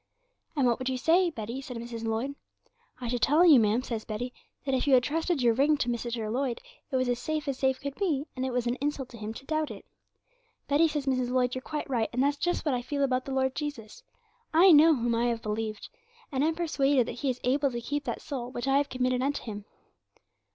'"And what would you say, Betty?" says Miss Lloyd. '"I should tell you, ma'am," says Betty "that if you had trusted your ring to Mr. Lloyd, it was as safe as safe could be, and it was an insult to him to doubt it." '"Betty," says Miss Lloyd, "you're quite right; and that's just what I feel about the Lord Jesus. I know whom I have believed, and am persuaded that He is able to keep that soul which I have committed unto Him."'